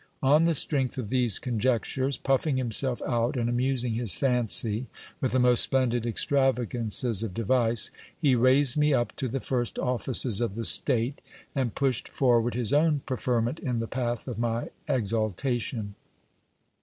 On the strength of these conjectures, puffing himself out and amusing his fancy with the most splendid extravagances of device, he raised me up to the first offices of the state, and pushed forward his own preferment in the path of my exaltation.